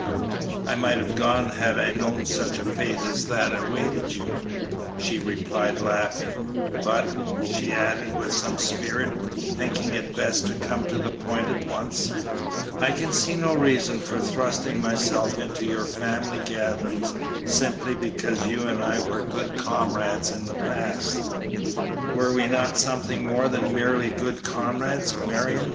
"I might have gone had I known such a fate as that awaited you," she replied, laughing; "but," she added with some spirit, thinking it best to come to the point at once, "I can see no reason for thrusting myself into your family gatherings simply because you and I were good comrades in the past." "Were we not something more than merely good comrades, Marion?"